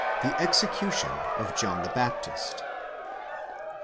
THE EXECUTION OF JOHN THE BAPTIST.